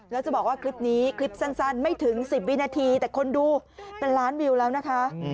แล้วจะบอกว่าคลิปนี้คลิปสั้นไม่ถึง๑๐วินาทีแต่คนดูเป็นล้านวิวแล้วนะคะ